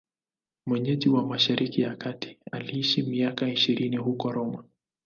Mwenyeji wa Mashariki ya Kati, aliishi miaka ishirini huko Roma.